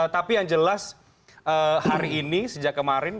tapi yang jelas hari ini sejak kemarin